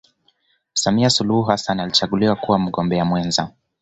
samia suluhu hassan alichaguliwa kuwa mgombea mwenza